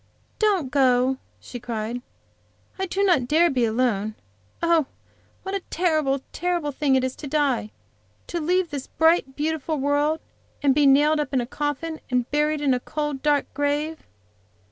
"Don't go," she cried. "I do not dare to be alone. Oh, what a terrible, terrible thing it is to die! To leave this bright, beautiful world, and be nailed in a coffin and buried up in a cold, dark grave."